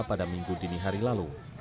pada minggu dini hari lalu